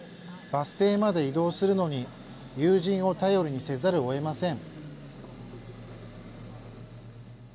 バス停まで移動するのに、友人を頼りにせざるをえません。